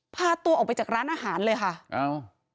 พาตัวออกไปจากร้านอาหารเลยค่ะอ้าว